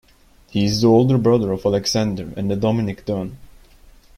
He is the older brother of Alexander and Dominique Dunne.